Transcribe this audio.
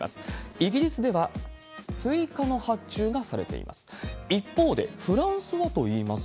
イギリスでは追加の発注がされています。